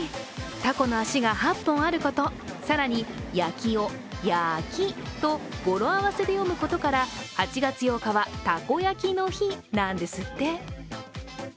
たこの足が８本あること更に、焼を「８き」と語呂合わせで読むことから８月８日はたこ焼きの日なんですって。